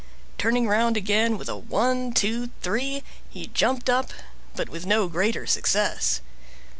Turning round again with a One, Two, Three, he jumped up, but with no greater success.